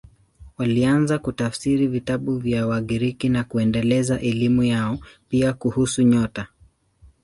Walianza kutafsiri vitabu vya Wagiriki na kuendeleza elimu yao, pia kuhusu nyota.